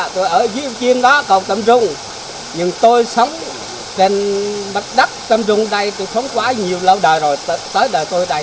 tôi sống trên mặt đất tâm dung đây tôi sống quá nhiều lâu đời rồi tới đời tôi đây